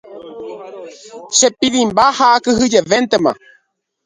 Chepirĩmba ha akyhyjevéntema.